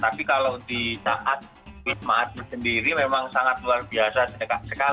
tapi kalau di saat wisma atlet sendiri memang sangat luar biasa sekali